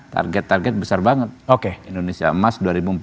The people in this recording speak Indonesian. target target besar banget indonesia emas